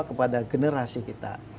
kepada generasi kita